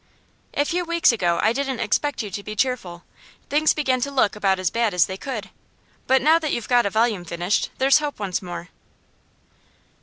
'A few weeks ago I didn't expect you to be cheerful. Things began to look about as bad as they could. But now that you've got a volume finished, there's hope once more.